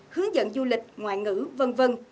hướng dẫn du lịch ngoại ngữ v v